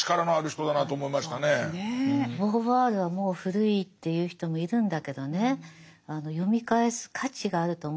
ボーヴォワールはもう古いって言う人もいるんだけどね読み返す価値があると思います。